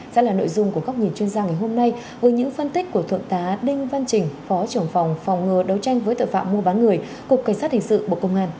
sẽ là nội dung của góc nhìn chuyên gia ngày hôm nay với những phân tích của thượng tá đinh văn trình phó trưởng phòng phòng ngừa đấu tranh với tội phạm mua bán người cục cảnh sát hình sự bộ công an